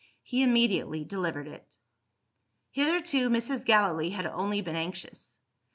He immediately delivered it. Hitherto, Mrs. Gallilee had only been anxious.